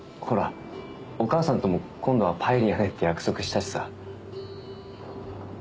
ほらお母さんとも今度はパエリアねって約束したしさ。